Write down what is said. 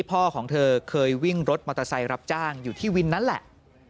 พ่อของเธอเคยวิ่งรถมอเตอร์ไซค์รับจ้างอยู่ที่วินนั้นแหละ